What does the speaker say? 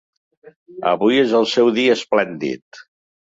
Avui és el seu dia esplèndid.